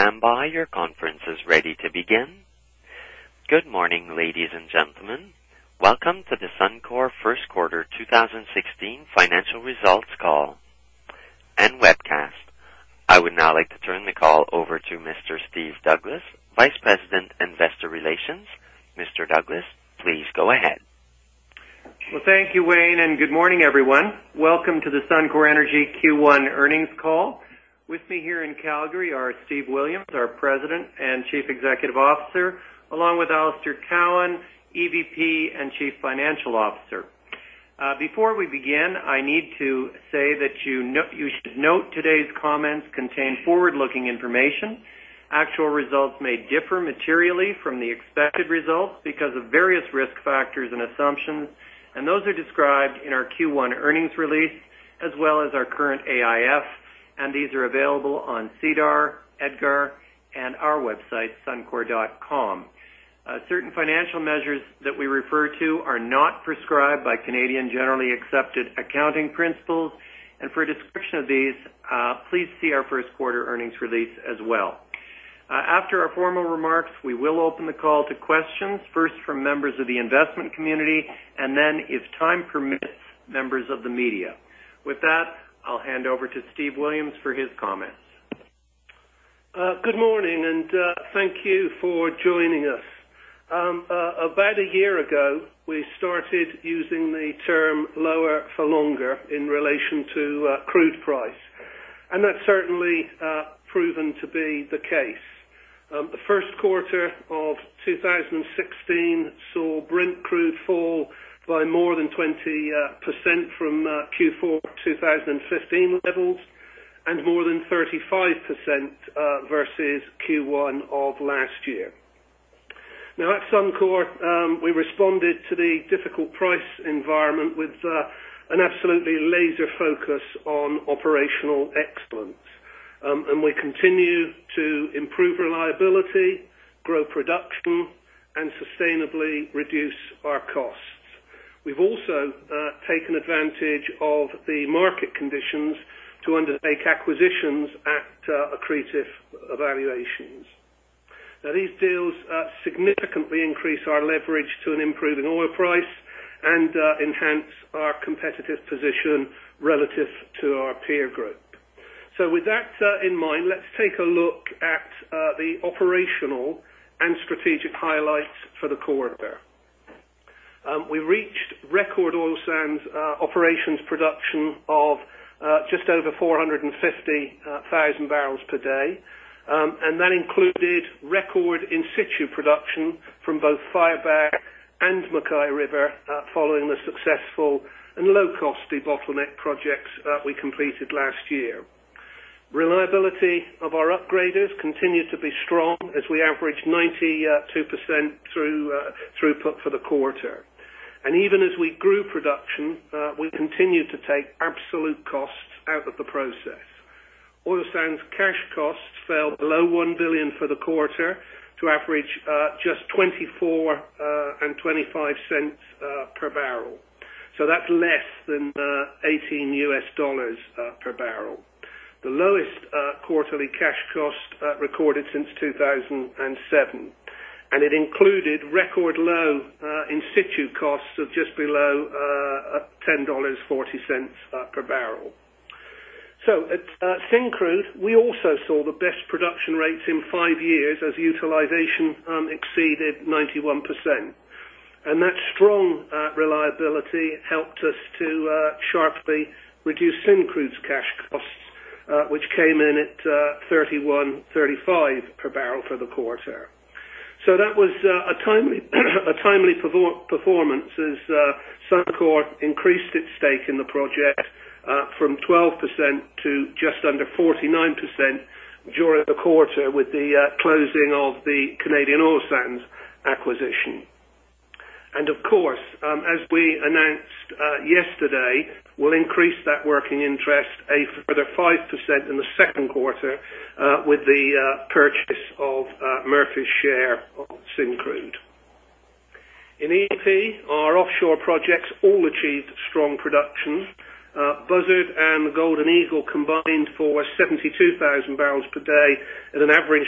All participants, please stand by. Your conference is ready to begin. Good morning, ladies and gentlemen. Welcome to the Suncor First Quarter 2016 Financial Results Call and Webcast. I would now like to turn the call over to Mr. Steve Douglas, Vice President, Investor Relations. Mr. Douglas, please go ahead. Well, thank you, Wayne, and good morning, everyone. Welcome to the Suncor Energy Q1 earnings call. With me here in Calgary are Steve Williams, our President and Chief Executive Officer, along with Alister Cowan, EVP and Chief Financial Officer. Before we begin, I need to say that you should note today's comments contain forward-looking information. Actual results may differ materially from the expected results because of various risk factors and assumptions. Those are described in our Q1 earnings release as well as our current AIF, and these are available on SEDAR, EDGAR, and our website, suncor.com. Certain financial measures that we refer to are not prescribed by Canadian generally accepted accounting principles. For a description of these, please see our first quarter earnings release as well. After our formal remarks, we will open the call to questions, first from members of the investment community, and then, if time permits, members of the media. With that, I'll hand over to Steve Williams for his comments. Good morning, and thank you for joining us. About a year ago, we started using the term lower for longer in relation to crude price, and that's certainly proven to be the case. The first quarter of 2016 saw Brent crude fall by more than 20% from Q4 2015 levels and more than 35% versus Q1 of last year. At Suncor, we responded to the difficult price environment with an absolutely laser focus on operational excellence. We continue to improve reliability, grow production, and sustainably reduce our costs. We've also taken advantage of the market conditions to undertake acquisitions at accretive valuations. These deals significantly increase our leverage to an improving oil price and enhance our competitive position relative to our peer group. With that in mind, let's take a look at the operational and strategic highlights for the quarter. We reached record oil sands operations production of just over 450,000 barrels per day, and that included record in-situ production from both Firebag and MacKay River, following the successful and low-cost debottleneck projects that we completed last year. Reliability of our upgraders continued to be strong as we averaged 92% throughput for the quarter. And even as we grew production, we continued to take absolute costs out of the process. Oil sands cash costs fell below 1 billion for the quarter to average just 24.25 per bbl. That's less than $18 per barrel. The lowest quarterly cash cost recorded since 2007. And it included record low in-situ costs of just below 10.40 dollars per bbl. At Syncrude, we also saw the best production rates in five years as utilization exceeded 91%. That strong reliability helped us to sharply reduce Syncrude's cash costs, which came in at 31.35 per barrel for the quarter. That was a timely performance as Suncor increased its stake in the project from 12% to just under 49% during the quarter with the closing of the Canadian Oil Sands acquisition. Of course, as we announced yesterday, we'll increase that working interest a further 5% in the second quarter with the purchase of Murphy's share of Syncrude. In E&P, our offshore projects all achieved strong production. Buzzard and Golden Eagle combined for 72,000 barrels per day at an average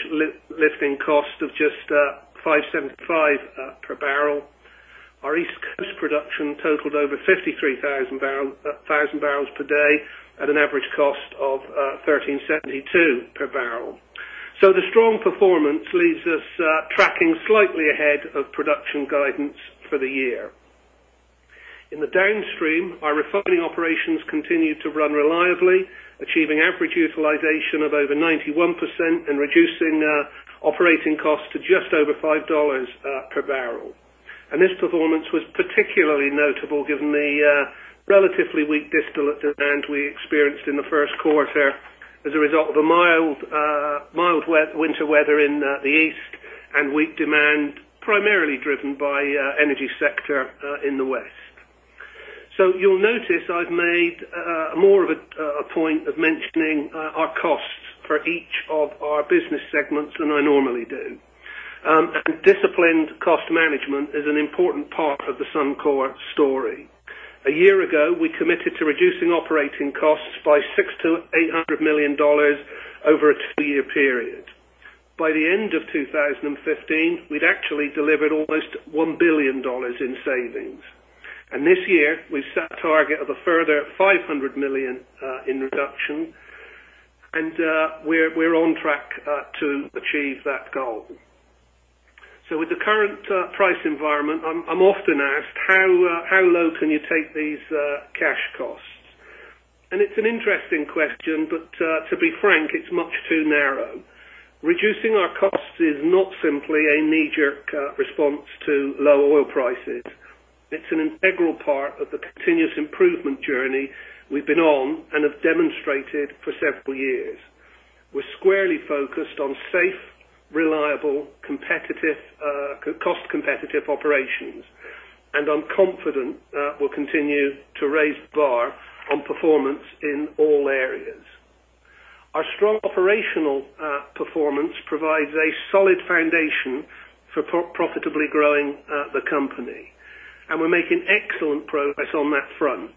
lifting cost of just 5.75 per barrel. Our East Coast production totaled over 53,000 barrels per day at an average cost of 13.72 per barrel. The strong performance leaves us tracking slightly ahead of production guidance for the year. In the downstream, our refining operations continued to run reliably, achieving average utilization of over 91% and reducing operating costs to just over 5 dollars per barrel. And this performance was particularly notable given the relatively weak distillate demand we experienced in the first quarter as a result of a mild winter weather in the East and weak demand primarily driven by energy sector in the West. You'll notice I've made more of a point of mentioning our costs for each of our business segments than I normally do. And disciplined cost management is an important part of the Suncor story. A year ago, we committed to reducing operating costs by 600 million-800 million dollars over a two-year period. By the end of 2015, we'd actually delivered almost 1 billion dollars in savings. And this year, we set a target of a further 500 million in reduction. We're on track to achieve that goal. With the current price environment, I'm often asked, "How low can you take these cash costs?" And it's an interesting question, but to be frank, it's much too narrow. Reducing our costs is not simply a knee-jerk response to low oil prices. It's an integral part of the continuous improvement journey we've been on and have demonstrated for several years. We're squarely focused on safe, reliable, cost-competitive operations. And I'm confident we'll continue to raise the bar on performance in all areas. Our strong operational performance provides a solid foundation for profitably growing the company. And we're making excellent progress on that front.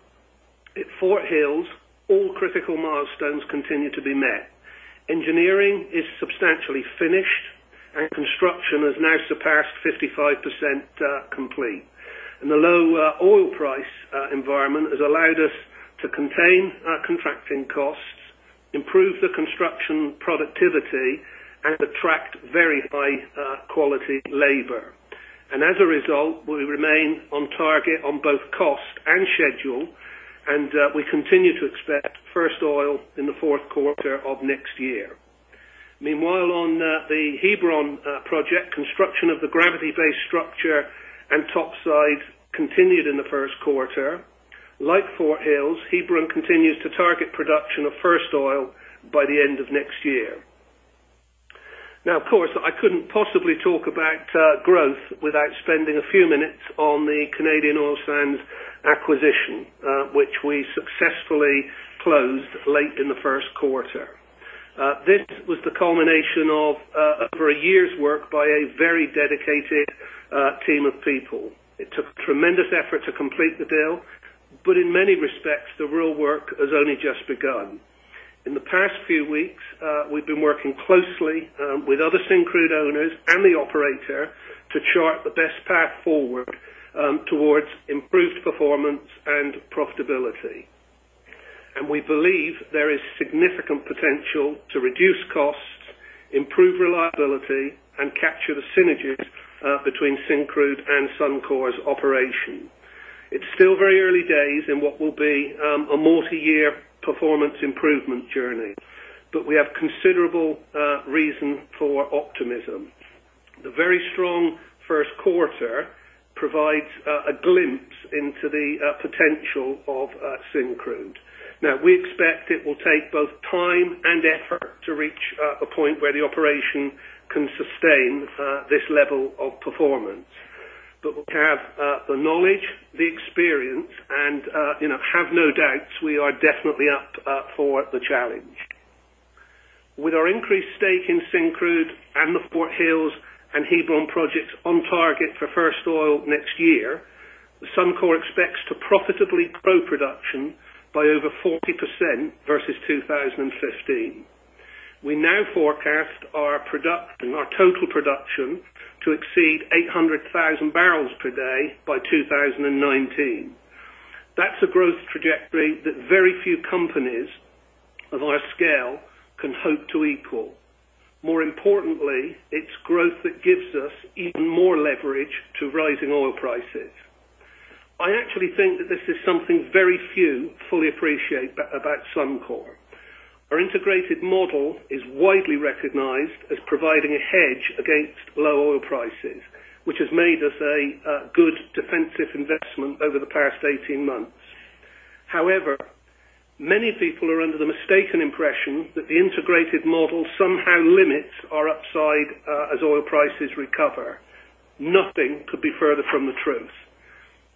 At Fort Hills, all critical milestones continue to be met. Engineering is substantially finished, and construction has now surpassed 55% complete. The low oil price environment has allowed us to contain our contracting costs, improve the construction productivity, and attract very high-quality labor. As a result, we remain on target on both cost and schedule, and we continue to expect first oil in the fourth quarter of next year. Meanwhile, on the Hebron Project, construction of the gravity base structure and topsides continued in the first quarter. Like Fort Hills, Hebron continues to target production of first oil by the end of next year. Of course, I couldn't possibly talk about growth without spending a few minutes on the Canadian Oil Sands acquisition, which we successfully closed late in the first quarter. This was the culmination of over a year's work by a very dedicated team of people. It took tremendous effort to complete the deal, but in many respects, the real work has only just begun. In the past few weeks, we've been working closely with other Syncrude owners and the operator to chart the best path forward towards improved performance and profitability. We believe there is significant potential to reduce costs, improve reliability, and capture the synergies between Syncrude and Suncor's operation. It's still very early days in what will be a multi-year performance improvement journey, but we have considerable reason for optimism. The very strong first quarter provides a glimpse into the potential of Syncrude. We expect it will take both time and effort to reach a point where the operation can sustain this level of performance. We have the knowledge, the experience, and have no doubts, we are definitely up for the challenge. With our increased stake in Syncrude and the Fort Hills and Hebron projects on target for first oil next year, Suncor expects to profitably grow production by over 40% versus 2015. We now forecast our total production to exceed 800,000 barrels per day by 2019. That's a growth trajectory that very few companies of our scale can hope to equal. More importantly, it's growth that gives us even more leverage to rising oil prices. I actually think that this is something very few fully appreciate about Suncor. Our integrated model is widely recognized as providing a hedge against low oil prices, which has made us a good defensive investment over the past 18 months. However, many people are under the mistaken impression that the integrated model somehow limits our upside as oil prices recover. Nothing could be further from the truth.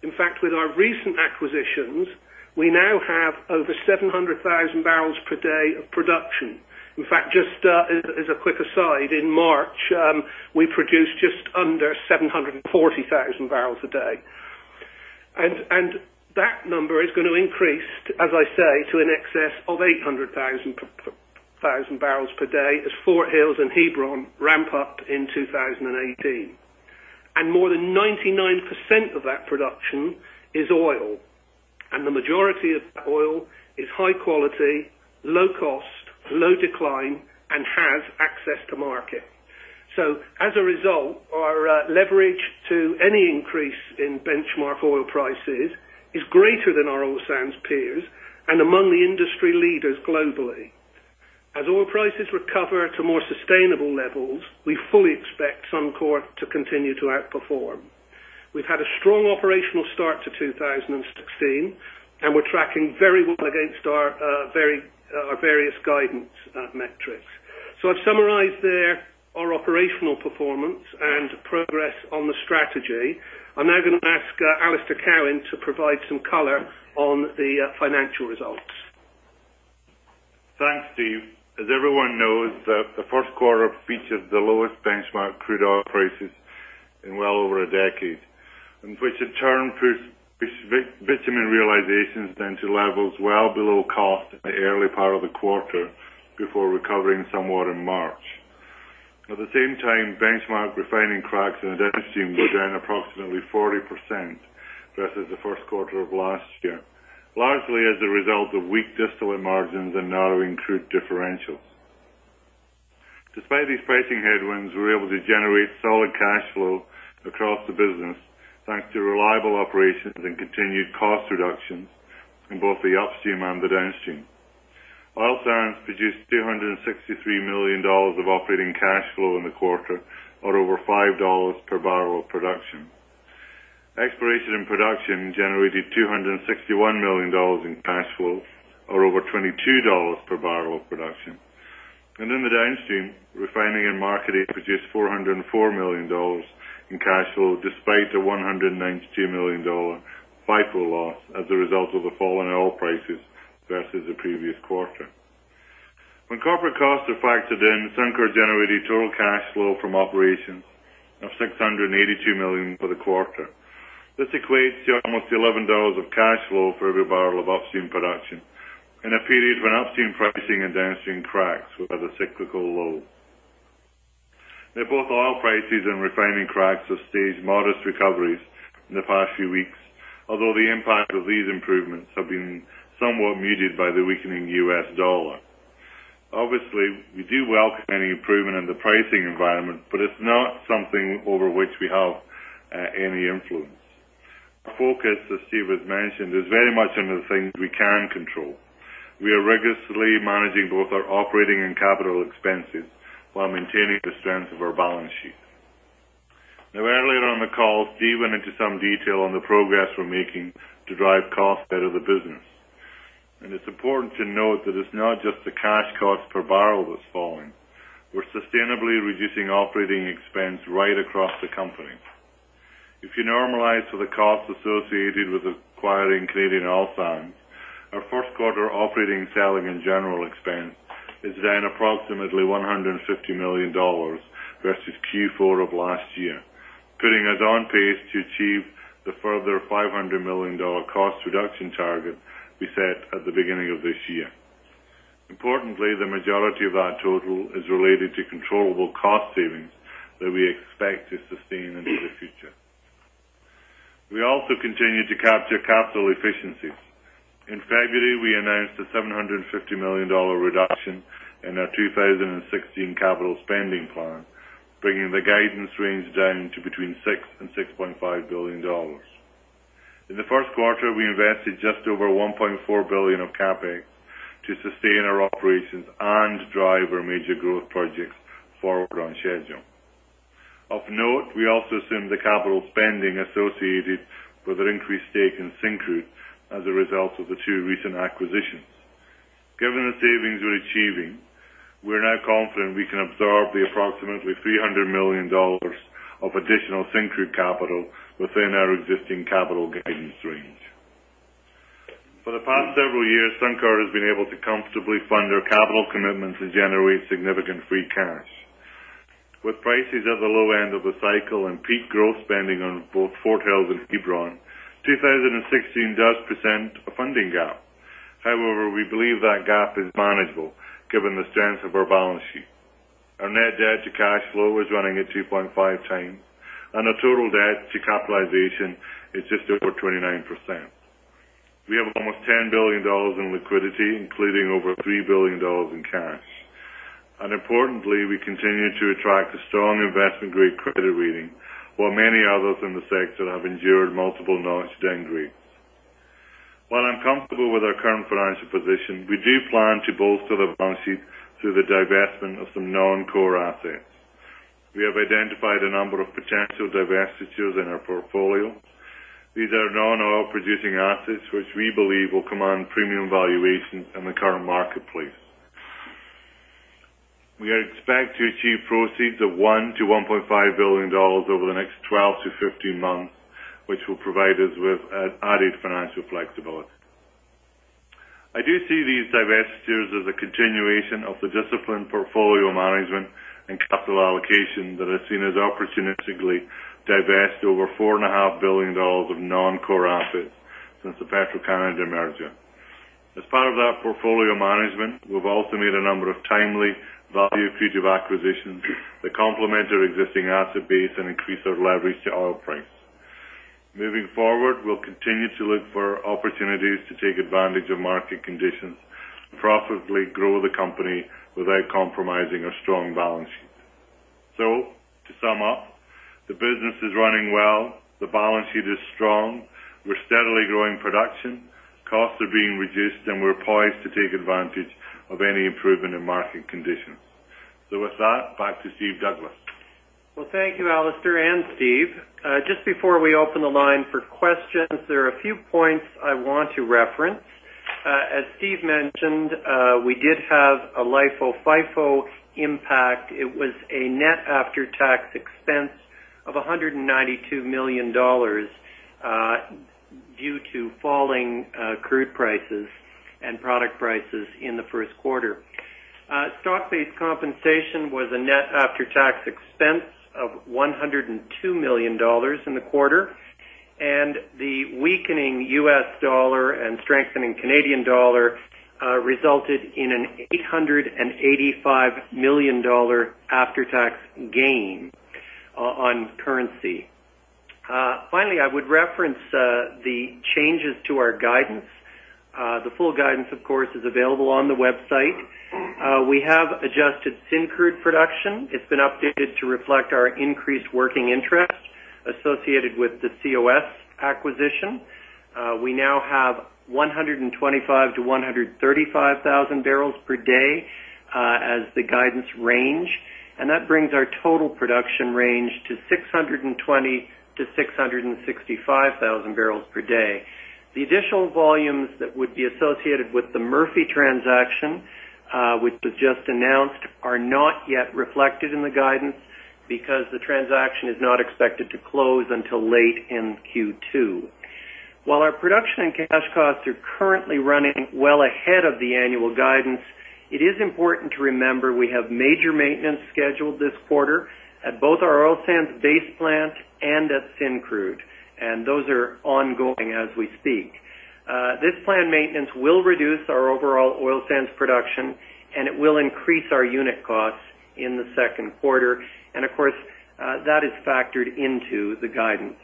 In fact, with our recent acquisitions, we now have over 700,000 barrels per day of production. In fact, just as a quick aside, in March, we produced just under 740,000 barrels a day. That number is going to increase, as I say, to in excess of 800,000 barrels per day as Fort Hills and Hebron ramp up in 2018. More than 99% of that production is oil, and the majority of that oil is high quality, low cost, low decline, and has access to market. As a result, our leverage to any increase in benchmark oil prices is greater than our oil sands peers and among the industry leaders globally. As oil prices recover to more sustainable levels, we fully expect Suncor to continue to outperform. We've had a strong operational start to 2016, and we're tracking very well against our various guidance metrics. I've summarized there our operational performance and progress on the strategy. I'm now going to ask Alister Cowan to provide some color on the financial results. Thanks, Steve. As everyone knows, the first quarter featured the lowest benchmark crude oil prices in well over a decade, which in turn pushed bitumen realizations down to levels well below cost in the early part of the quarter before recovering somewhat in March. At the same time, benchmark refining cracks in the downstream were down approximately 40% versus the first quarter of last year, largely as a result of weak distillate margins and narrowing crude differentials. Despite these facing headwinds, we were able to generate solid cash flow across the business thanks to reliable operations and continued cost reductions in both the upstream and the downstream. oil sands produced 263 million dollars of operating cash flow in the quarter or over 5 dollars per barrel of production. Exploration and production generated 261 million dollars in cash flow or over 22 dollars per barrel of production. In the downstream, refining and marketing produced 404 million dollars in cash flow despite a 192 million dollar FIFO loss as a result of the fall in oil prices versus the previous quarter. When corporate costs are factored in, Suncor generated total cash flow from operations of 682 million for the quarter. This equates to almost 11 dollars of cash flow for every barrel of upstream production in a period when upstream pricing and downstream cracks were at a cyclical low. Both oil prices and refining cracks have staged modest recoveries in the past few weeks, although the impact of these improvements have been somewhat muted by the weakening US dollar. We do welcome any improvement in the pricing environment, but it's not something over which we have any influence. Our focus, as Steve has mentioned, is very much on the things we can control. We are rigorously managing both our operating and capital expenses while maintaining the strength of our balance sheet. Earlier on the call, Steve went into some detail on the progress we're making to drive costs out of the business. It's important to note that it's not just the cash cost per barrel that's falling. We're sustainably reducing operating expense right across the company. If you normalize for the costs associated with acquiring Canadian Oil Sands, our first quarter operating, selling, and general expense is down approximately 150 million dollars versus Q4 of last year, putting us on pace to achieve the further 500 million dollar cost reduction target we set at the beginning of this year. The majority of that total is related to controllable cost savings that we expect to sustain into the future. We also continue to capture capital efficiencies. In February, we announced a 750 million dollar reduction in our 2016 capital spending plan, bringing the guidance range down to between 6 billion and 6.5 billion dollars. In the first quarter, we invested just over 1.4 billion of CapEx to sustain our operations and drive our major growth projects forward on schedule. Of note, we also assumed the capital spending associated with our increased stake in Syncrude as a result of the two recent acquisitions. Given the savings we're achieving, we're now confident we can absorb the approximately 300 million dollars of additional Syncrude capital within our existing capital guidance range. For the past several years, Suncor has been able to comfortably fund our capital commitments and generate significant free cash. With prices at the low end of the cycle and peak growth spending on both Fort Hills and Hebron, 2016 does present a funding gap. We believe that gap is manageable given the strength of our balance sheet. Our net debt to cash flow is running at 2.5 times, and our total debt to capitalization is just over 29%. We have almost 10 billion dollars in liquidity, including over 3 billion dollars in cash. Importantly, we continue to attract a strong investment-grade credit rating, while many others in the sector have endured multiple notch downgrades. While I'm comfortable with our current financial position, we do plan to bolster the balance sheet through the divestment of some non-core assets. We have identified a number of potential divestitures in our portfolio. These are non-oil-producing assets, which we believe will command premium valuations in the current marketplace. We expect to achieve proceeds of 1 billion-1.5 billion dollars over the next 12 to 15 months, which will provide us with added financial flexibility. I do see these divestitures as a continuation of the disciplined portfolio management and capital allocation that has seen us opportunistically divest over 4.5 billion dollars of non-core assets since the Petro-Canada merger. As part of that portfolio management, we've also made a number of timely, value-accretive acquisitions that complement our existing asset base and increase our leverage to oil price. Moving forward, we'll continue to look for opportunities to take advantage of market conditions and profitably grow the company without compromising our strong balance sheet. To sum up, the business is running well, the balance sheet is strong, we're steadily growing production, costs are being reduced, and we're poised to take advantage of any improvement in market conditions. With that, back to Steve Douglas. Thank you, Alister and Steve. Just before we open the line for questions, there are a few points I want to reference. As Steve mentioned, we did have a LIFO/FIFO impact. It was a net after-tax expense of 192 million dollars due to falling crude prices and product prices in the first quarter. Stock-based compensation was a net after-tax expense of 102 million dollars in the quarter, and the weakening US dollar and strengthening Canadian dollar resulted in an $885 million after-tax gain on currency. Finally, I would reference the changes to our guidance. The full guidance, of course, is available on the website. We have adjusted Syncrude production. It's been updated to reflect our increased working interest associated with the COS acquisition. We now have 125,000-135,000 barrels per day as the guidance range, and that brings our total production range to 620,000-665,000 barrels per day. The additional volumes that would be associated with the Murphy transaction, which was just announced, are not yet reflected in the guidance because the transaction is not expected to close until late in Q2. While our production and cash costs are currently running well ahead of the annual guidance, it is important to remember we have major maintenance scheduled this quarter at both our oil sands base plant and at Syncrude, and those are ongoing as we speak. This planned maintenance will reduce our overall oil sands production, and it will increase our unit costs in the second quarter. Of course, that is factored into the guidance.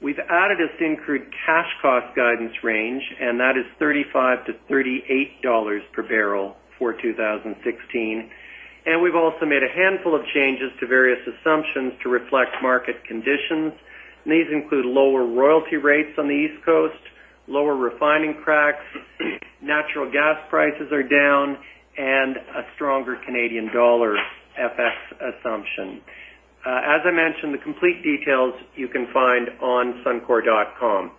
We've added a Syncrude cash cost guidance range, that is 35-38 dollars per barrel for 2016. We've also made a handful of changes to various assumptions to reflect market conditions. These include lower royalty rates on the East Coast, lower refining cracks, natural gas prices are down, a stronger Canadian dollar FX assumption. As I mentioned, the complete details you can find on suncor.com.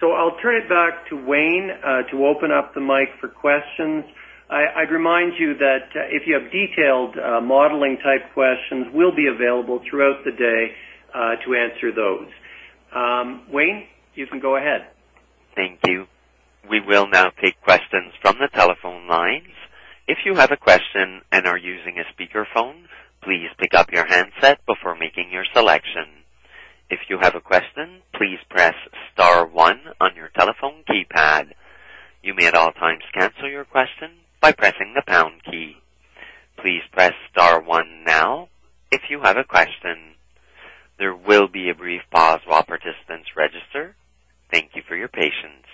I'll turn it back to Wayne to open up the mic for questions. I'd remind you that if you have detailed modeling-type questions, we'll be available throughout the day to answer those. Wayne, you can go ahead. Thank you. We will now take questions from the telephone lines. If you have a question and are using a speakerphone, please pick up your handset before making your selection. If you have a question, please press star one on your telephone keypad. You may, at all times, cancel your question by pressing the pound key. Please press star one now if you have a question. There will be a brief pause while participants register. Thank you for your patience.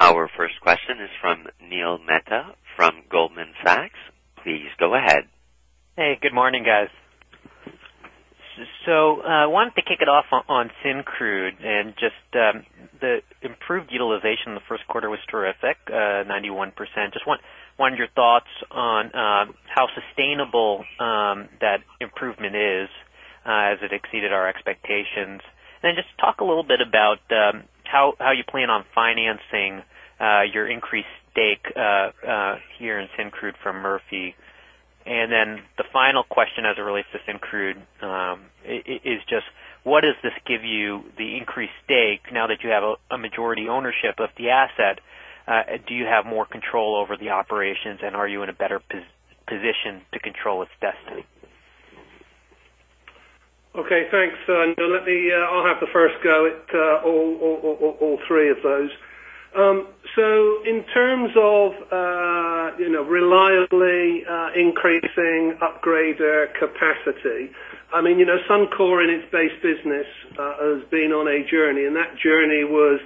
Our first question is from Neil Mehta from Goldman Sachs. Please go ahead. Hey, good morning, guys. I wanted to kick it off on Syncrude and just the improved utilization in the first quarter was terrific, 91%. Just wondered your thoughts on how sustainable that improvement is, as it exceeded our expectations. Just talk a little bit about how you plan on financing your increased stake here in Syncrude from Murphy. The final question as it relates to Syncrude is just what does this give you, the increased stake, now that you have a majority ownership of the asset? Do you have more control over the operations, and are you in a better position to control its destiny? Okay. Thanks, Neil. I'll have the first go at all three of those. In terms of reliably increasing upgrader capacity, Suncor and its base business has been on a journey, and that journey was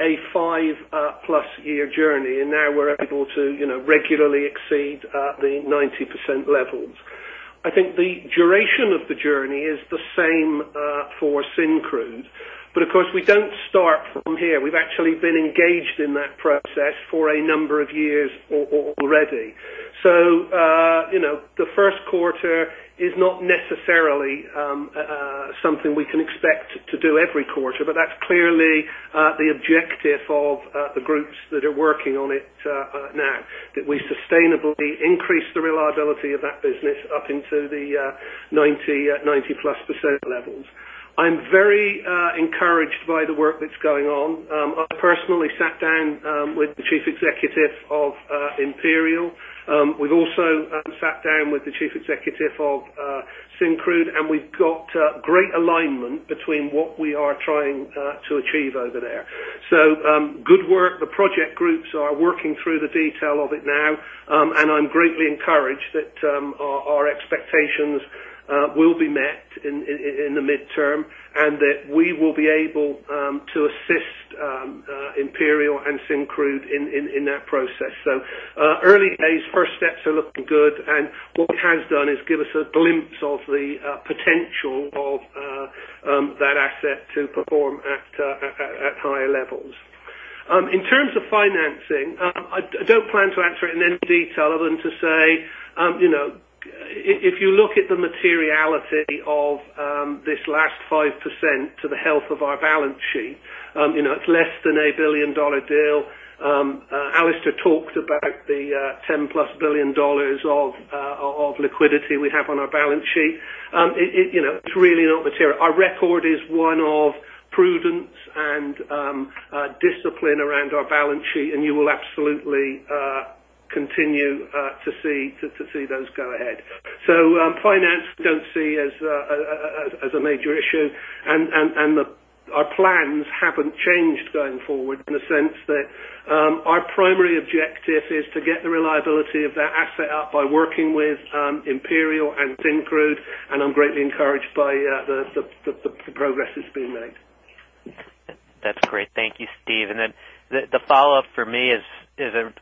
a five-plus year journey, and now we're able to regularly exceed the 90% levels. I think the duration of the journey is the same for Syncrude. Of course, we don't start from here. We've actually been engaged in that process for a number of years already. The first quarter is not necessarily something we can expect to do every quarter. That's clearly the objective of the groups that are working on it now, that we sustainably increase the reliability of that business up into the 90-plus percent levels. I'm very encouraged by the work that's going on. I personally sat down with the chief executive of Imperial. We've also sat down with the chief executive of Syncrude, we've got great alignment between what we are trying to achieve over there. Good work. The project groups are working through the detail of it now. I'm greatly encouraged that our expectations will be met in the midterm, and that we will be able to assist Imperial and Syncrude in that process. Early days, first steps are looking good, and what it has done is give us a glimpse of the potential of that asset to perform at higher levels. In terms of financing, I don't plan to answer it in any detail other than to say, if you look at the materiality of this last 5% to the health of our balance sheet, it's less than a 1 billion dollar deal. Alister talked about the 10-plus billion dollars of Of liquidity we have on our balance sheet. It's really not material. Our record is one of prudence and discipline around our balance sheet, and you will absolutely continue to see those go ahead. Finance, we don't see as a major issue, and our plans haven't changed going forward in the sense that our primary objective is to get the reliability of that asset up by working with Imperial and Syncrude, and I'm greatly encouraged by the progress that's been made. That's great. Thank you, Steve. The follow-up for me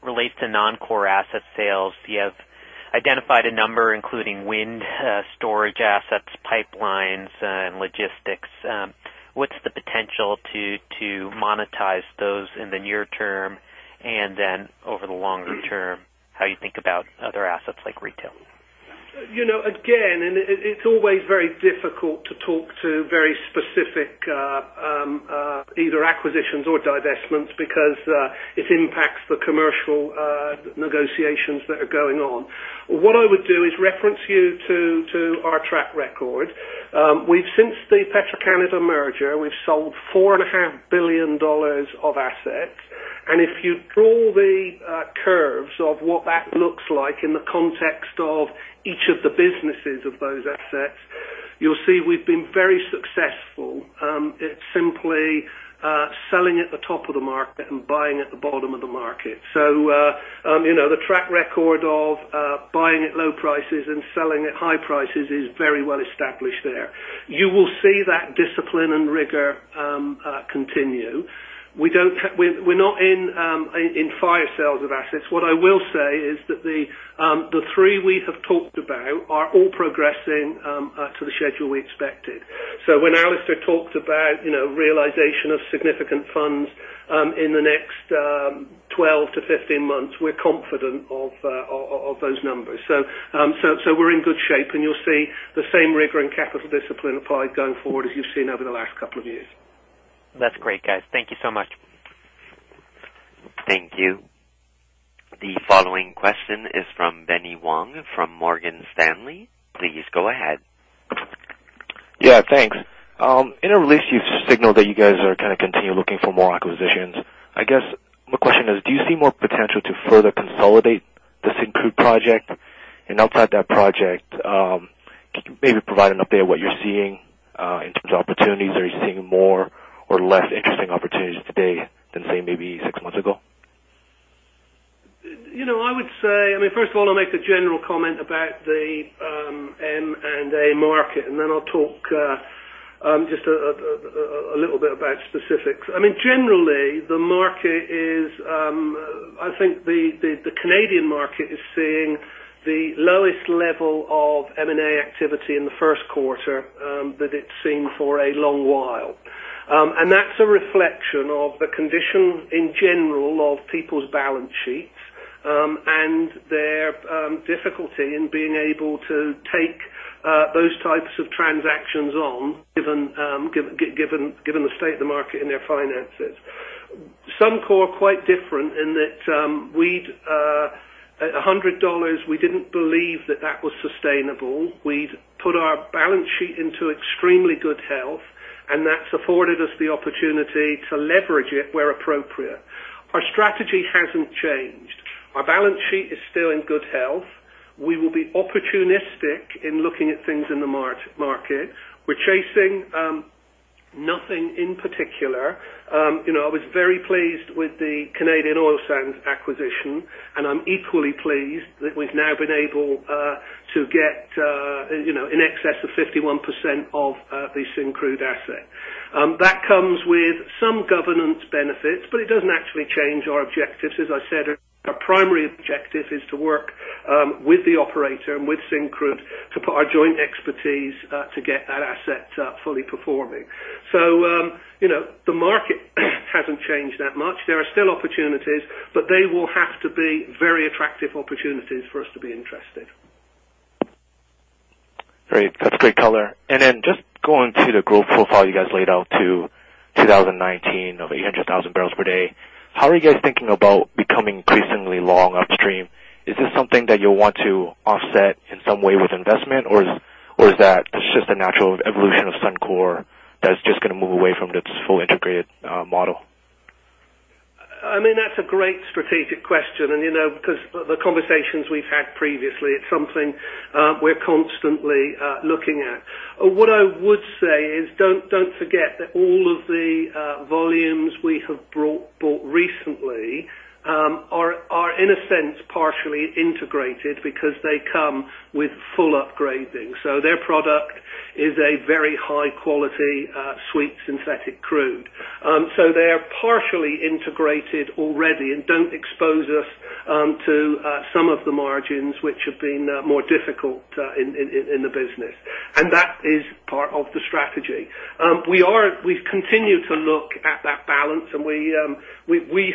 relates to non-core asset sales. You have identified a number, including wind storage assets, pipelines, and logistics. What's the potential to monetize those in the near term? Over the longer term, how you think about other assets like retail? It's always very difficult to talk to very specific either acquisitions or divestments because it impacts the commercial negotiations that are going on. What I would do is reference you to our track record. Since the Petro-Canada merger, we've sold 4.5 billion dollars of assets. If you draw the curves of what that looks like in the context of each of the businesses of those assets, you'll see we've been very successful. It's simply selling at the top of the market and buying at the bottom of the market. The track record of buying at low prices and selling at high prices is very well established there. You will see that discipline and rigor continue. We're not in fire sales of assets. What I will say is that the three we have talked about are all progressing to the schedule we expected. When Alister talked about realization of significant funds in the next 12 to 15 months, we're confident of those numbers. We're in good shape, and you'll see the same rigor and capital discipline applied going forward as you've seen over the last couple of years. That's great, guys. Thank you so much. Thank you. The following question is from Benny Wong from Morgan Stanley. Please go ahead. Yeah, thanks. In a release, you've signaled that you guys are continuing looking for more acquisitions. I guess my question is, do you see more potential to further consolidate the Syncrude project? Outside that project, can you maybe provide an update on what you're seeing in terms of opportunities? Are you seeing more or less interesting opportunities today than, say, maybe six months ago? I would say, first of all, I'll make a general comment about the M&A market, then I'll talk just a little bit about specifics. Generally, the market is, I think the Canadian market is seeing the lowest level of M&A activity in the first quarter that it's seen for a long while. That's a reflection of the condition in general of people's balance sheets and their difficulty in being able to take those types of transactions on, given the state of the market and their finances. Suncor quite different in that at 100 dollars, we didn't believe that that was sustainable. We'd put our balance sheet into extremely good health, and that's afforded us the opportunity to leverage it where appropriate. Our strategy hasn't changed. Our balance sheet is still in good health. We will be opportunistic in looking at things in the market. We're chasing nothing in particular. I was very pleased with the Canadian Oil Sands acquisition, and I'm equally pleased that we've now been able to get in excess of 51% of the Syncrude asset. That comes with some governance benefits, but it doesn't actually change our objectives. As I said, our primary objective is to work with the operator and with Syncrude to put our joint expertise to get that asset fully performing. The market hasn't changed that much. There are still opportunities, but they will have to be very attractive opportunities for us to be interested. Great. That's great color. Just going to the growth profile you guys laid out to 2019 of 800,000 barrels per day. How are you guys thinking about becoming increasingly long upstream? Is this something that you'll want to offset in some way with investment, or is that just a natural evolution of Suncor that's just going to move away from this full integrated model? That's a great strategic question. Because the conversations we've had previously, it's something we're constantly looking at. What I would say is, don't forget that all of the volumes we have bought recently are in a sense partially integrated because they come with full upgrading. Their product is a very high-quality, sweet synthetic crude. They are partially integrated already and don't expose us to some of the margins which have been more difficult in the business. That is part of the strategy. We've continued to look at that balance, and we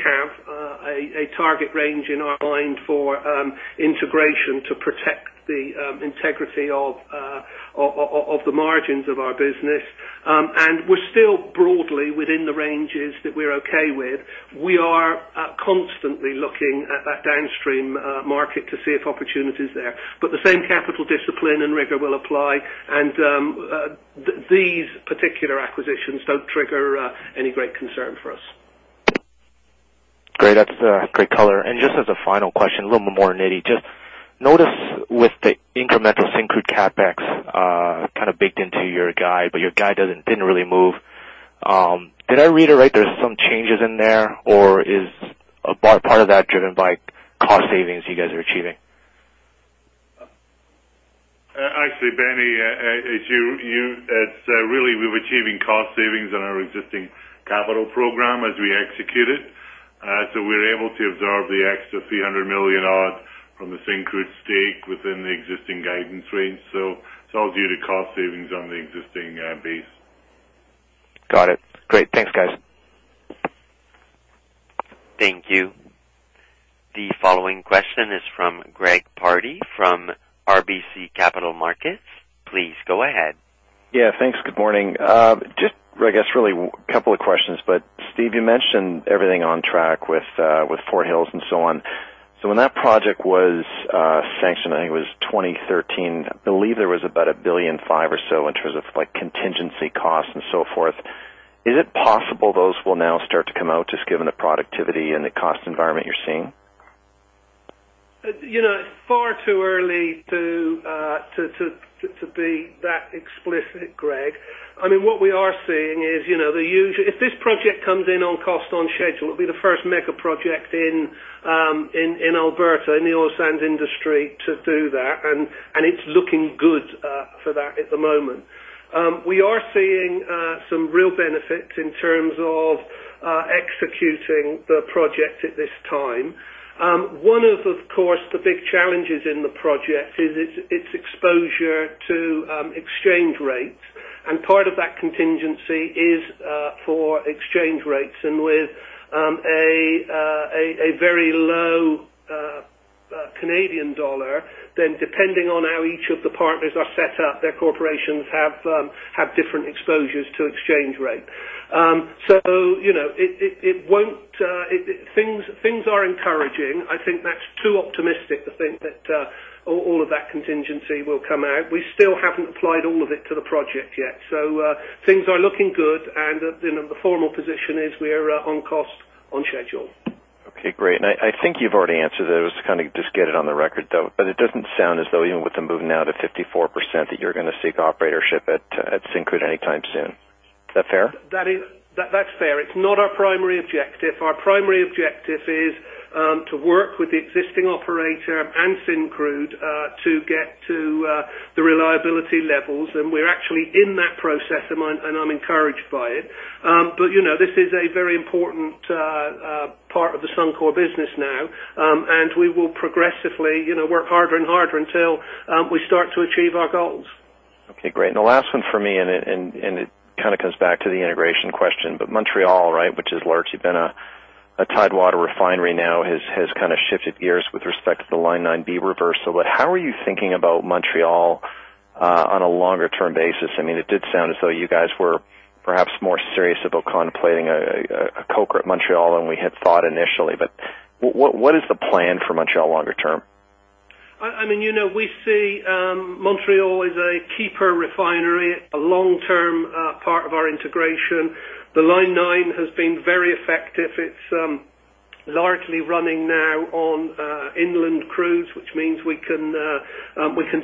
have a target range in our mind for integration to protect the integrity of the margins of our business. We're still broadly within the ranges that we're okay with. We are constantly looking at that downstream market to see if opportunity is there. The same capital discipline and rigor will apply. These particular acquisitions don't trigger any great concern for us. Great. That's great color. Just as a final question, a little more nitty. Just notice with the incremental Syncrude CapEx kind of baked into your guide, but your guide didn't really move. Did I read it right, there's some changes in there? Is part of that driven by cost savings you guys are achieving? Actually, Benny, it's really we're achieving cost savings on our existing capital program as we execute it. We're able to absorb the extra 300 million odds from the Syncrude stake within the existing guidance range. It's all due to cost savings on the existing base. Got it. Great. Thanks, guys. Thank you. The following question is from Greg Pardy from RBC Capital Markets. Please go ahead. Yeah, thanks. Good morning. Steve, you mentioned everything on track with Fort Hills and so on. When that project was sanctioned, I think it was 2013. I believe there was about 1.5 billion or so in terms of contingency costs and so forth. Is it possible those will now start to come out, just given the productivity and the cost environment you're seeing? It's far too early to be that explicit, Greg. What we are seeing is, if this project comes in on cost, on schedule, it'll be the first mega project in Alberta, in the oil sands industry to do that, and it's looking good for that at the moment. We are seeing some real benefits in terms of executing the project at this time. One of course, the big challenges in the project is its exposure to exchange rates. Part of that contingency is for exchange rates. With a very low Canadian dollar, depending on how each of the partners are set up, their corporations have different exposures to exchange rate. Things are encouraging. I think that's too optimistic to think that all of that contingency will come out. We still haven't applied all of it to the project yet. things are looking good, and the formal position is we're on cost, on schedule. Okay, great. I think you've already answered it. It was to kind of just get it on the record, though. It doesn't sound as though even with the move now to 54%, that you're going to seek operatorship at Syncrude anytime soon. Is that fair? That's fair. It's not our primary objective. Our primary objective is to work with the existing operator and Syncrude to get to the reliability levels, and we're actually in that process, and I'm encouraged by it. This is a very important part of the Suncor business now. We will progressively work harder and harder until we start to achieve our goals. Okay, great. The last one for me, and it kind of comes back to the integration question, but Montreal, which has largely been a tidewater refinery now, has kind of shifted gears with respect to the Line 9B reversal. How are you thinking about Montreal on a longer-term basis? It did sound as though you guys were perhaps more serious about contemplating a coker at Montreal than we had thought initially. What is the plan for Montreal longer term? We see Montreal as a keeper refinery, a long-term part of our integration. The Line 9 has been very effective. It is largely running now on inland crudes, which means we can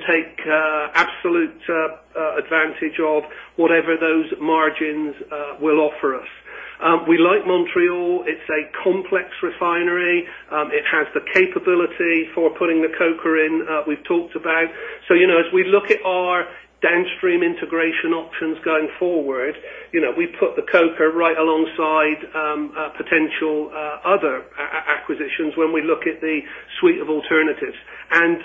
take absolute advantage of whatever those margins will offer us. We like Montreal. It is a complex refinery. It has the capability for putting the coker in we have talked about. As we look at our downstream integration options going forward, we put the coker right alongside potential other acquisitions when we look at the suite of alternatives.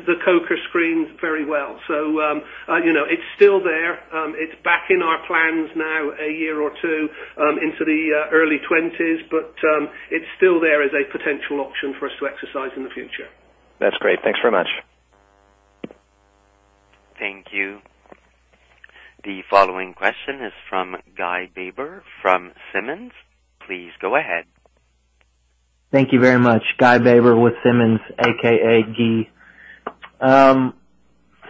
The coker screens very well. It is still there. It is back in our plans now a year or two into the early '20s, but it is still there as a potential option for us to exercise in the future. That is great. Thanks very much. Thank you. The following question is from Guy Baber from Simmons. Please go ahead. Thank you very much. Guy Baber with Simmons, A.K.A. Guy.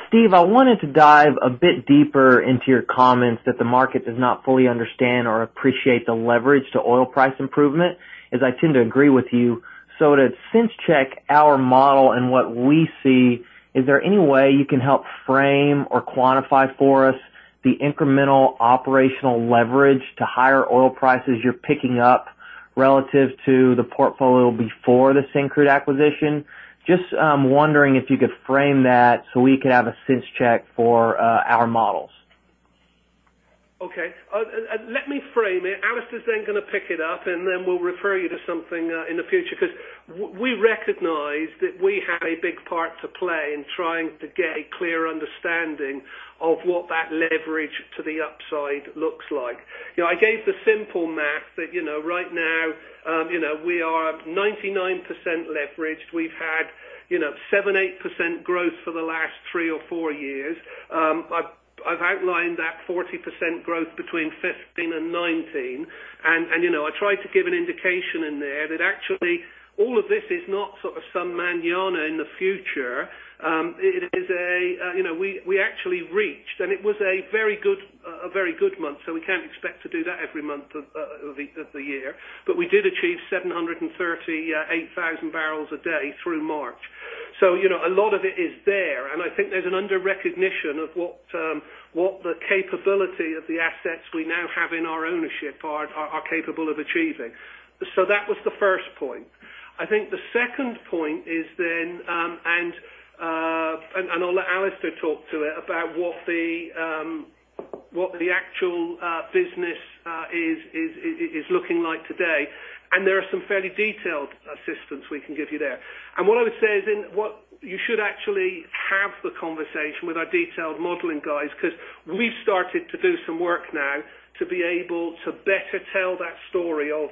Steve, I wanted to dive a bit deeper into your comments that the market does not fully understand or appreciate the leverage to oil price improvement, as I tend to agree with you. To sense check our model and what we see, is there any way you can help frame or quantify for us the incremental operational leverage to higher oil prices you are picking up relative to the portfolio before the Syncrude acquisition? Just wondering if you could frame that so we could have a sense check for our models. Okay. Let me frame it. Alister is then going to pick it up, then we'll refer you to something in the future, because we recognize that we have a big part to play in trying to get a clear understanding of what that leverage to the upside looks like. I gave the simple math that right now we are 99% leveraged. We've had 7%-8% growth for the last three or four years. I've outlined that 40% growth between 2015 and 2019. I tried to give an indication in there that actually all of this is not some mañana in the future. We actually reached, and it was a very good month. We can't expect to do that every month of the year. We did achieve 738,000 barrels a day through March. A lot of it is there. I think there's an under-recognition of what the capability of the assets we now have in our ownership are capable of achieving. That was the first point. I think the second point is then, I'll let Alister talk to it, about what the actual business is looking like today. There are some fairly detailed assistance we can give you there. What I would say is you should actually have the conversation with our detailed modeling guys, because we've started to do some work now to be able to better tell that story of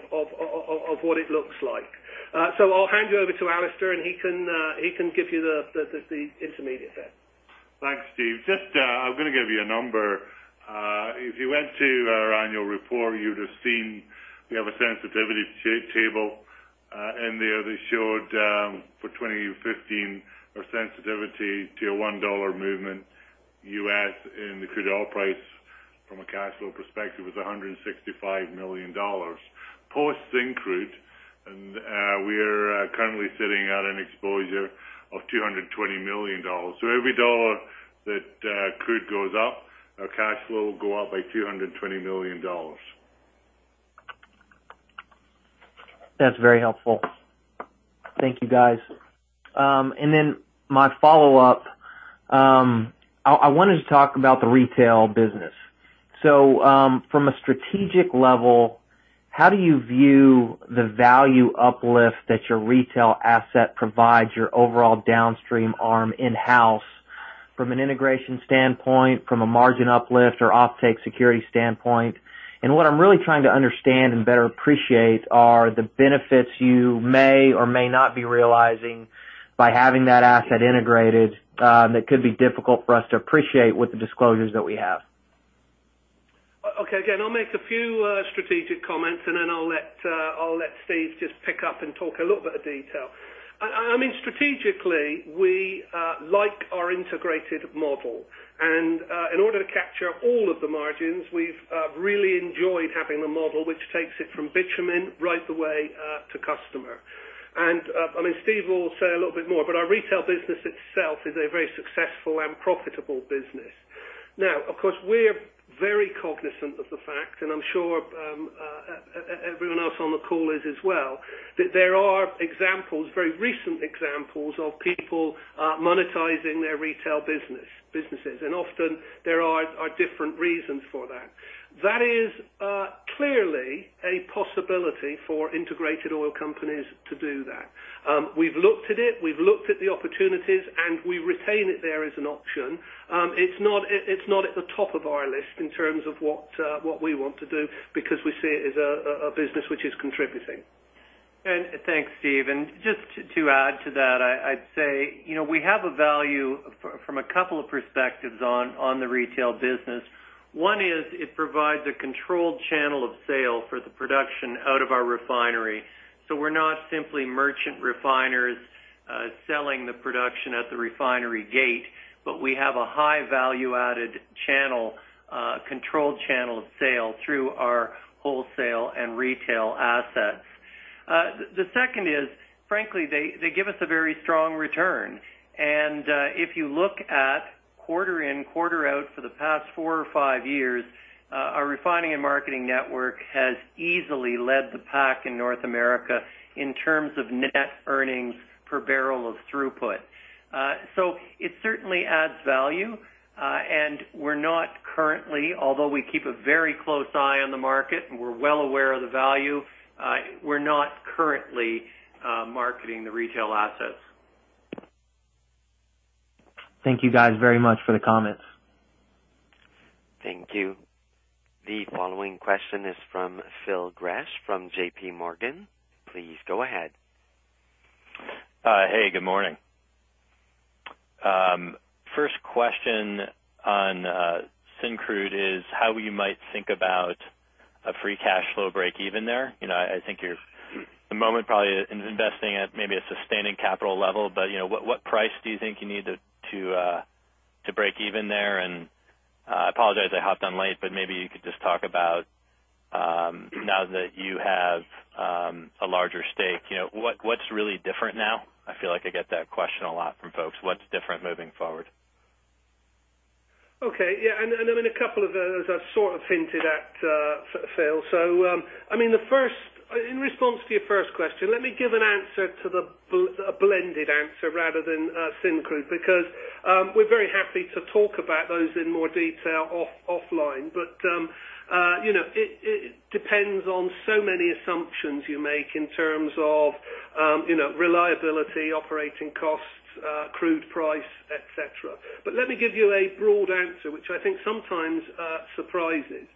what it looks like. I'll hand you over to Alister, he can give you the intermediate there. Thanks, Steve. I'm going to give you a number. If you went to our annual report, you'd have seen we have a sensitivity table in there that showed for 2015, our sensitivity to a $1 movement US in the crude oil price from a cash flow perspective was $165 million. Post Syncrude, we're currently sitting at an exposure of $220 million. Every dollar that crude goes up, our cash flow will go up by $220 million. That's very helpful. Thank you, guys. Then my follow-up, I wanted to talk about the retail business. From a strategic level, how do you view the value uplift that your retail asset provides your overall downstream arm in-house from an integration standpoint, from a margin uplift or offtake security standpoint? What I'm really trying to understand and better appreciate are the benefits you may or may not be realizing by having that asset integrated that could be difficult for us to appreciate with the disclosures that we have. Okay. Again, I'll make a few strategic comments, and then I'll let Steve just pick up and talk a little bit of detail. Strategically, we like our integrated model. In order to capture all of the margins, we've really enjoyed having the model, which takes it from bitumen right the way to customer. Steve will say a little bit more, but our retail business itself is a very successful and profitable business. Of course, we're very cognizant of the fact, and I'm sure everyone else on the call is as well, that there are very recent examples of people monetizing their retail businesses. Often there are different reasons for that. That is clearly a possibility for integrated oil companies to do that. We've looked at it, we've looked at the opportunities, and we retain it there as an option. It's not at the top of our list in terms of what we want to do because we see it as a business which is contributing. Thanks, Steve. Just to add to that, I'd say we have a value from a couple of perspectives on the retail business. One is it provides a controlled channel of sale for the production out of our refinery. We're not simply merchant refiners selling the production at the refinery gate, but we have a high value-added controlled channel of sale through our wholesale and retail assets. The second is, frankly, they give us a very strong return. If you look at quarter in, quarter out for the past four or five years, our refining and marketing network has easily led the pack in North America in terms of net earnings per barrel of throughput. It certainly adds value. We're not currently, although we keep a very close eye on the market and we're well aware of the value, we're not currently marketing the retail assets. Thank you guys very much for the comments. Thank you. The following question is from Phil Gresh from JPMorgan. Please go ahead. Hey, good morning. First question on Syncrude is how you might think about a free cash flow break-even there. I think at the moment probably investing at maybe a sustaining capital level. What price do you think you need to break-even there? I apologize I hopped on late, but maybe you could just talk about now that you have a larger stake, what's really different now? I feel like I get that question a lot from folks. What's different moving forward? Okay. Yeah. A couple of those are sort of hinted at, Phil. In response to your first question, let me give a blended answer rather than Syncrude, because we're very happy to talk about those in more detail offline. It depends on so many assumptions you make in terms of reliability, operating costs, crude price, et cetera. Let me give you a broad answer, which I think sometimes surprises.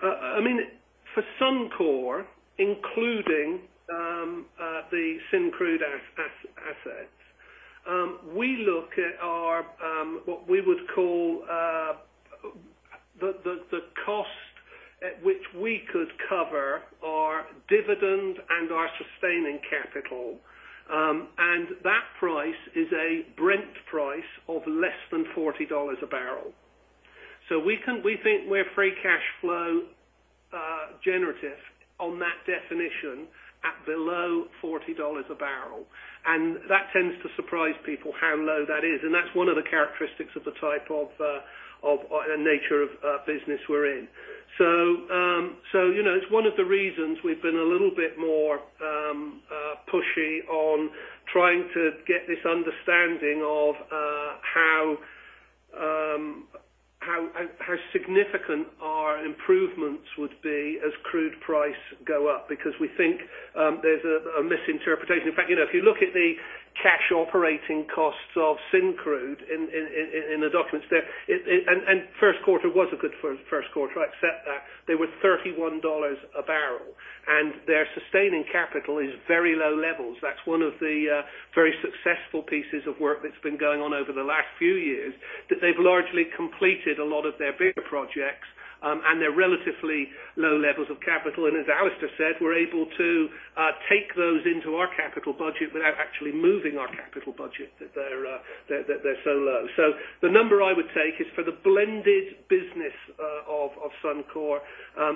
For Suncor, including the Syncrude assets, we look at our, what we would call the cost at which we could cover our dividend and our sustaining capital. That price is a Brent price of less than 40 dollars a barrel. We think we're free cash flow generative on that definition at below 40 dollars a barrel. That tends to surprise people how low that is. That's one of the characteristics of the type of, and nature of business we're in. It's one of the reasons we've been a little bit more pushy on trying to get this understanding of how significant our improvements would be as crude price go up, because we think there's a misinterpretation. In fact, if you look at the cash operating costs of Syncrude in the documents there, and first quarter was a good first quarter, I accept that. They were 31 dollars a barrel, and their sustaining capital is very low levels. That's one of the very successful pieces of work that's been going on over the last few years, that they've largely completed a lot of their bigger projects, and they're relatively low levels of capital. As Alister said, we're able to take those into our capital budget without actually moving our capital budget. They're so low. The number I would take is for the blended business of Suncor.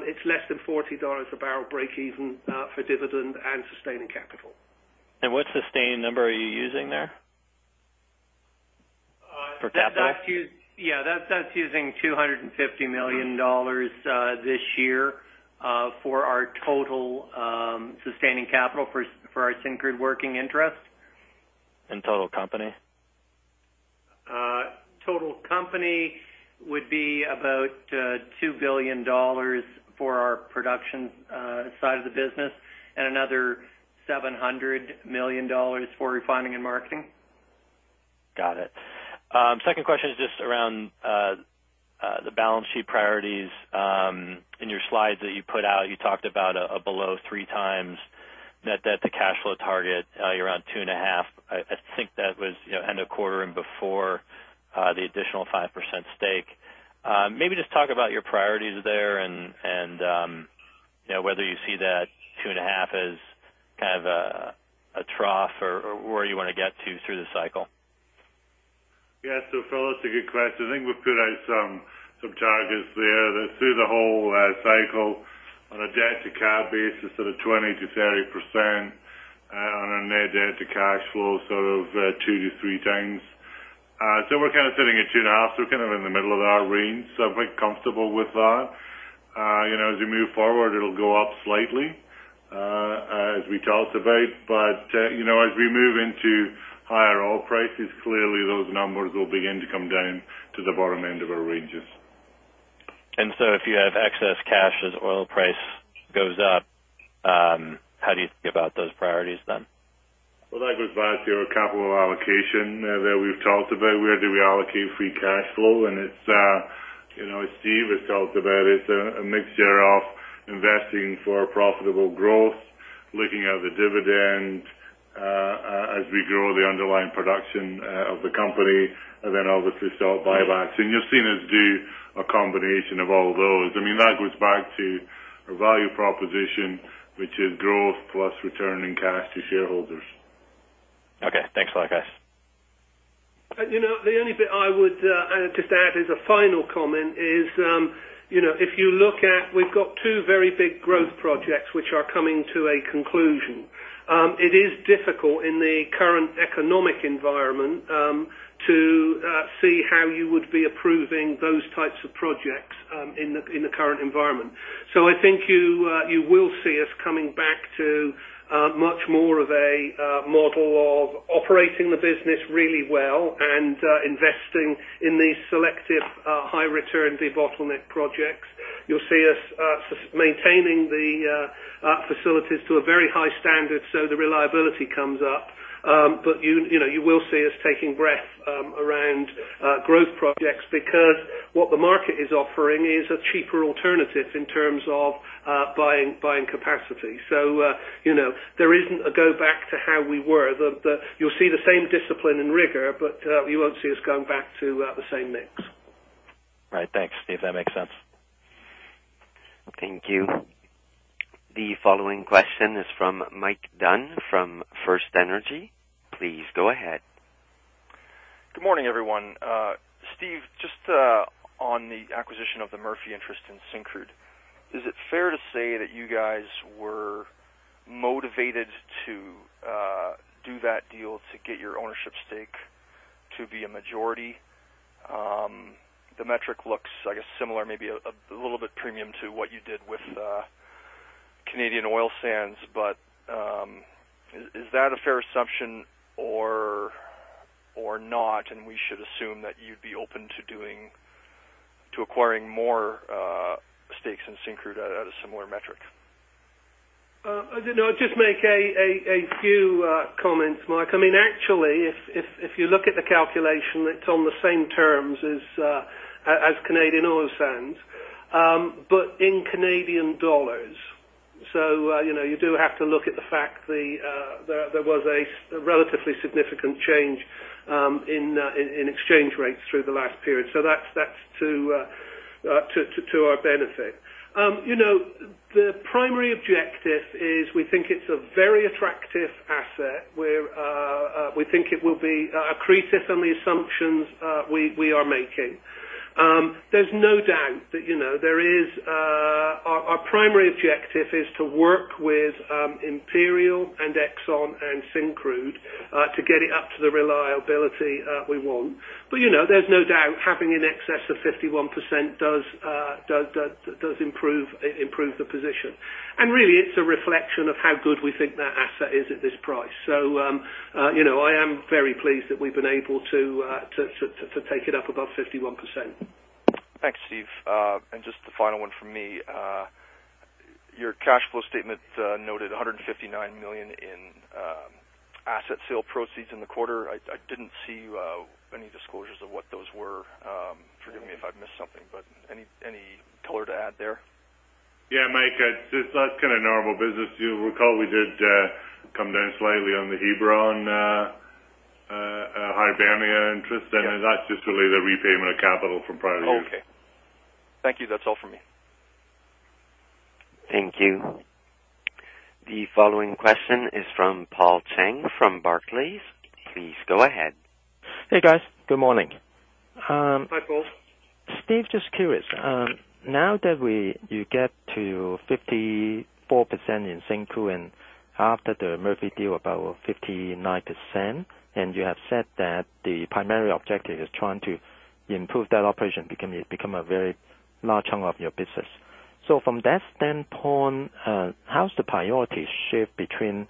It's less than 40 dollars a barrel breakeven for dividend and sustaining capital. What sustain number are you using there for capital? Yeah, that's using 250 million dollars this year, for our total sustaining capital for our Syncrude working interest. Total company? Total company would be about 2 billion dollars for our production side of the business and another 700 million dollars for refining and marketing. Got it. Second question is just around the balance sheet priorities. In your slides that you put out, you talked about a below 3 times net debt to cash flow target. You're around 2.5. I think that was end of quarter and before the additional 5% stake. Maybe just talk about your priorities there and whether you see that 2.5 as kind of a trough or where you want to get to through the cycle. Yeah. Phil, that's a good question. I think we've put out some targets there that through the whole cycle on a debt to cap basis, sort of 20%-30% on a net debt to cash flow, sort of 2-3 times. We're kind of sitting at 2.5, we're kind of in the middle of our range. Quite comfortable with that. As we move forward, it'll go up slightly as we talked about. As we move into higher oil prices, clearly those numbers will begin to come down to the bottom end of our ranges. If you have excess cash as oil price goes up, how do you think about those priorities then? Well, that goes back to a couple of allocation that we've talked about, where do we allocate free cash flow? As Steve has talked about, it's a mixture of investing for profitable growth, looking at the dividend as we grow the underlying production of the company, obviously start buybacks. You'll see us do a combination of all those. That goes back to our value proposition, which is growth plus returning cash to shareholders. Okay. Thanks a lot, guys. The only bit I would just add as a final comment is, if you look at, we've got two very big growth projects which are coming to a conclusion. It is difficult in the current economic environment to see how you would be approving those types of projects in the current environment. I think you will see us coming back to much more of a model of operating the business really well and investing in these selective high return debottleneck projects. You'll see us maintaining the facilities to a very high standard so the reliability comes up. You will see us taking breath around growth projects because what the market is offering is a cheaper alternative in terms of buying capacity. There isn't a go back to how we were. You'll see the same discipline and rigor, you won't see us going back to the same mix. Right. Thanks, Steve. That makes sense. Thank you. The following question is from Mike Dunn from FirstEnergy. Please go ahead. Good morning, everyone. Steve, on the acquisition of the Murphy interest in Syncrude, is it fair to say that you guys were motivated to do that deal to get your ownership stake to be a majority? The metric looks, I guess similar, maybe a little bit premium to what you did with Canadian Oil Sands. Is that a fair assumption or not, and we should assume that you'd be open to acquiring more stakes in Syncrude at a similar metric? I'll just make a few comments, Mike. Actually, if you look at the calculation, it's on the same terms as Canadian Oil Sands, but in CAD. You do have to look at the fact there was a relatively significant change in exchange rates through the last period. That's to our benefit. The primary objective is we think it's a very attractive asset. We think it will be accretive on the assumptions we are making. There's no doubt. Our primary objective is to work with Imperial and Exxon and Syncrude, to get it up to the reliability we want. There's no doubt, having in excess of 51% does improve the position. Really, it's a reflection of how good we think that asset is at this price. I am very pleased that we've been able to take it up above 51%. Thanks, Steve. Just the final one from me. Your cash flow statement noted 159 million in asset sale proceeds in the quarter. I didn't see any disclosures of what those were. Forgive me if I've missed something, but any color to add there? Yeah, Mike, that's normal business. You'll recall we did come down slightly on the Hebron Hibernia interest, and that's just really the repayment of capital from prior years. Okay. Thank you. That's all from me. Thank you. The following question is from Paul Cheng from Barclays. Please go ahead. Hey, guys. Good morning. Hi, Paul. Steve, just curious. Now that you get to 54% in Syncrude and after the Murphy deal, about 59%, you have said that the primary objective is trying to improve that operation, become a very large chunk of your business. From that standpoint, how's the priority shift between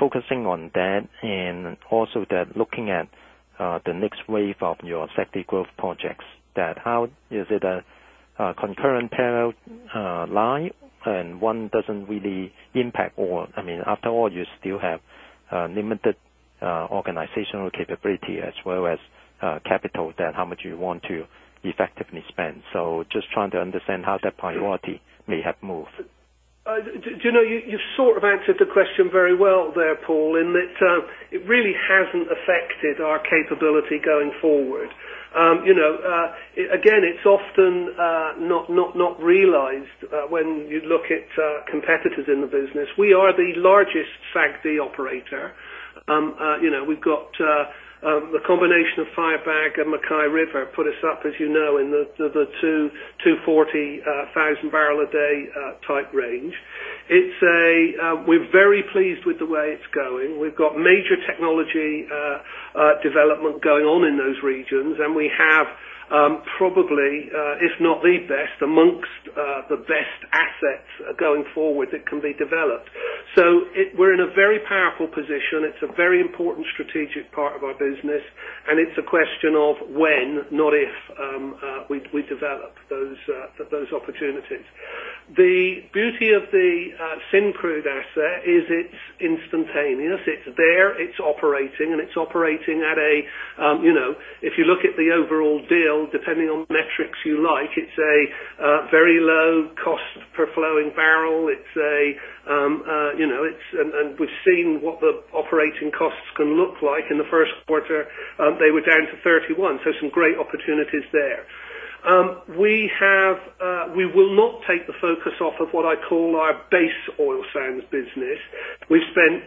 focusing on that and also that looking at the next wave of your sector growth projects, that how is it a concurrent parallel line and one doesn't really impact all. After all, you still have limited organizational capability as well as capital, how much you want to effectively spend. Just trying to understand how that priority may have moved. You sort of answered the question very well there, Paul, in that it really hasn't affected our capability going forward. Again, it's often not realized when you look at competitors in the business. We are the largest SAGD operator. We've got the combination of Firebag and MacKay River put us up, as you know, in the 240,000 barrel a day type range. We're very pleased with the way it's going. We've got major technology development going on in those regions, we have, probably, if not the best, amongst the best assets going forward that can be developed. We're in a very powerful position. It's a very important strategic part of our business, it's a question of when, not if, we develop those opportunities. The beauty of the Syncrude asset is it's instantaneous. It's there, it's operating, and it's operating at a, if you look at the overall deal, depending on metrics you like, it's a very low cost per flowing barrel. We've seen what the operating costs can look like. In the first quarter, they were down to 31. Some great opportunities there. We will not take the focus off of what I call our base oil sands business. We've spent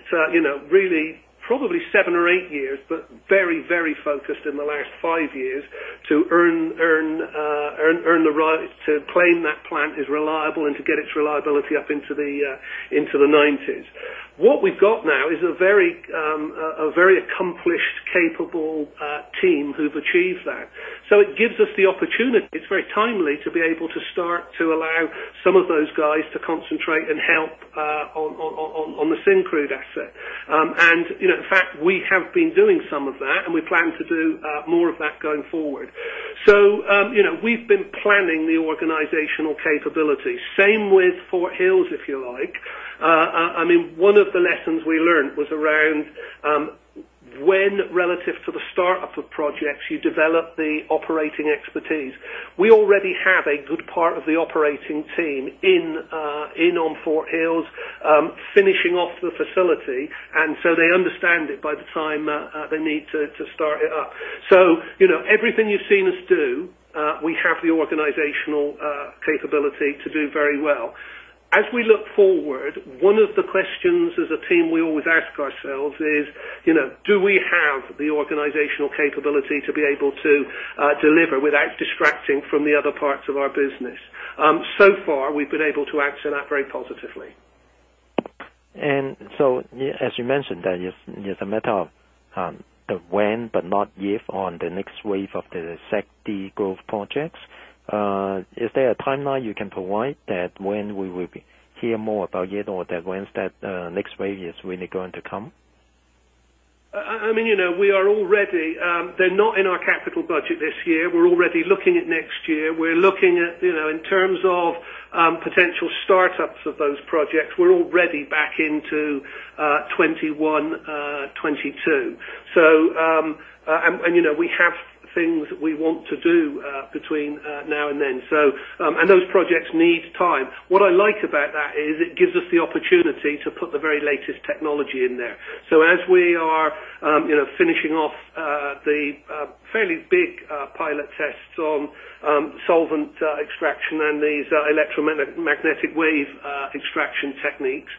really probably seven or eight years, but very focused in the last five years to earn the right to claim that plant is reliable and to get its reliability up into the 90s. What we've got now is a very accomplished, capable team who've achieved that. It gives us the opportunity. It's very timely to be able to start to allow some of those guys to concentrate and help on the Syncrude asset. In fact, we have been doing some of that, and we plan to do more of that going forward. We've been planning the organizational capability. Same with Fort Hills, if you like. One of the lessons we learned was around, when relative to the start-up of projects, you develop the operating expertise. We already have a good part of the operating team in on Fort Hills, finishing off the facility, they understand it by the time they need to start it up. Everything you've seen us do, we have the organizational capability to do very well. As we look forward, the team we always ask ourselves is, do we have the organizational capability to be able to deliver without distracting from the other parts of our business? So far, we've been able to action that very positively. As you mentioned, that is a matter of the when, but not if, on the next wave of the SAGD growth projects. Is there a timeline you can provide that when we will hear more about it or that when is that next wave is really going to come? We are all ready. They're not in our capital budget this year. We're already looking at next year. We're looking at, in terms of potential startups of those projects, we're already back into 2021, 2022. We have things we want to do between now and then. Those projects need time. What I like about that is it gives us the opportunity to put the very latest technology in there. As we are finishing off the fairly big pilot tests on solvent extraction and these electromagnetic wave extraction techniques,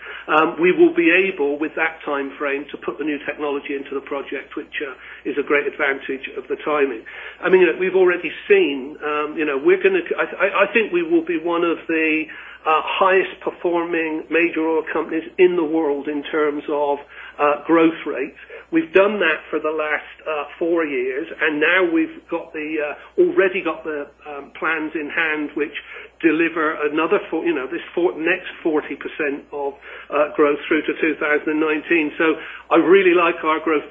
we will be able, with that timeframe, to put the new technology into the project, which is a great advantage of the timing. We've already seen. I think we will be one of the highest-performing major oil companies in the world in terms of growth rates. We've done that for the last four years, now we've already got the plans in hand, which deliver this next 40% of growth through to 2019. I really like our growth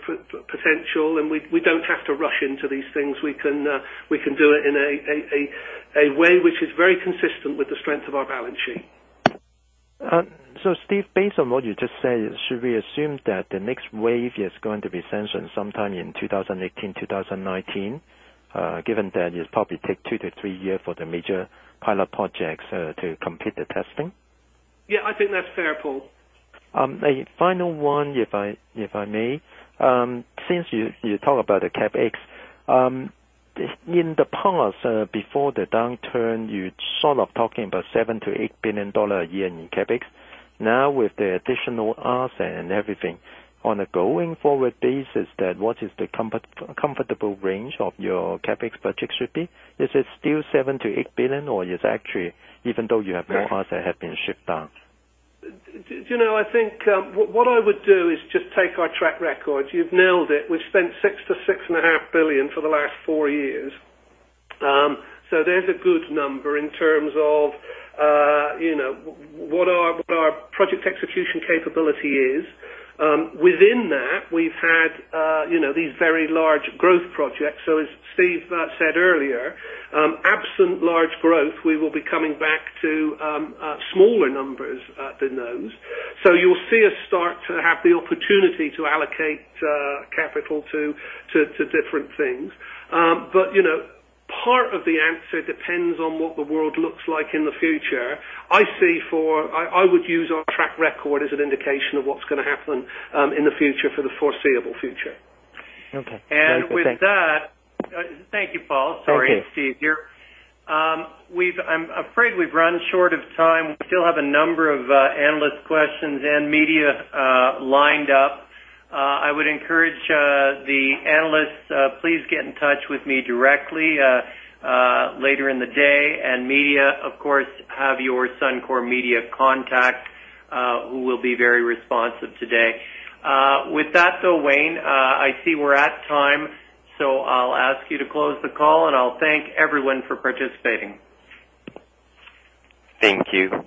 potential, and we don't have to rush into these things. We can do it in a way which is very consistent with the strength of our balance sheet. Steve, based on what you just said, should we assume that the next wave is going to be sanctioned sometime in 2018, 2019, given that it'll probably take two to three years for the major pilot projects to complete the testing? Yeah, I think that's fair, Paul. A final one, if I may. Since you talk about the CapEx. In the past, before the downturn, you sort of talking about 7 billion-8 billion dollar a year in CapEx. Now with the additional asset and everything, on a going-forward basis, what is the comfortable range of your CapEx budget should be? Is it still 7 billion-8 billion, or is actually, even though you have more asset have been shipped down? I think what I would do is just take our track record. You've nailed it. We've spent 6 billion-6.5 billion for the last four years. There's a good number in terms of what our project execution capability is. Within that, we've had these very large growth projects. As Steve said earlier, absent large growth, we will be coming back to smaller numbers than those. You'll see us start to have the opportunity to allocate capital to different things. Part of the answer depends on what the world looks like in the future. I would use our track record as an indication of what's going to happen in the future for the foreseeable future. Okay. With that, thank you, Paul. Thank you. Sorry, Steve here. I'm afraid we've run short of time. We still have a number of analyst questions and media lined up. I would encourage the analysts, please get in touch with me directly later in the day. Media, of course, have your Suncor media contact, who will be very responsive today. With that, though, Wayne, I see we're at time, so I'll ask you to close the call, and I'll thank everyone for participating. Thank you.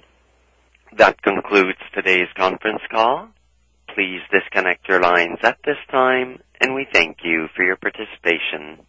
That concludes today's conference call. Please disconnect your lines at this time, and we thank you for your participation.